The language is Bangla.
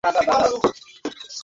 কার্তিক, আমরা এরপরে কোথায় যাব?